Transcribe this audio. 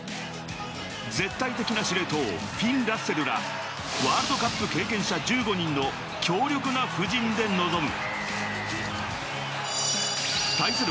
絶対的な司令塔フィン・ラッセルらワールドカップ経験者１５人の強力な布陣で臨む。